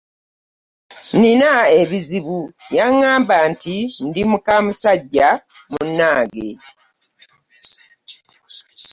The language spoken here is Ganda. Nina ebizibu yangamba nti ndi muka musajja munange .